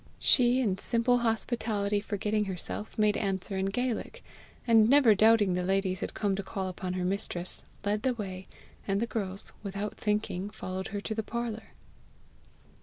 She, in simple hospitality forgetting herself, made answer in Gaelic; and, never doubting the ladies had come to call upon her mistress, led the way, and the girls, without thinking, followed her to the parlour.